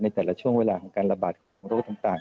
แต่ละช่วงเวลาของการระบาดของโรคต่าง